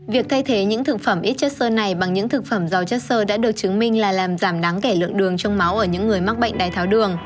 việc thay thế những thực phẩm ít chất sơ này bằng những thực phẩm giàu chất sơ đã được chứng minh là làm giảm đáng kể lượng đường trong máu ở những người mắc bệnh đai tháo đường